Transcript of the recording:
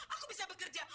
aku bisa bekerja